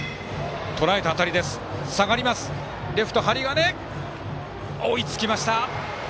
レフトの針金、追いつきました。